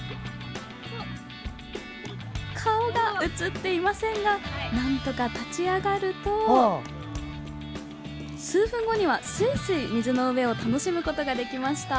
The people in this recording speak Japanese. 顔が映っていませんがなんとか立ち上がると数分後には、すいすい水の上を楽しむことができました。